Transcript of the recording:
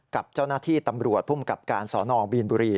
กับเจ้าหน้าที่ตำรวจภูมิกับการสอนอบีนบุรี